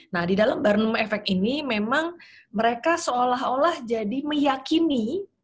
nah di dalam barnomo effect ini memang mereka seolah olah jadi meyakini